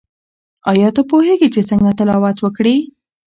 آیا ته پوهیږې چې څنګه تلاوت وکړې؟